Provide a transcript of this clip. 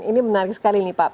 ini menarik sekali nih pak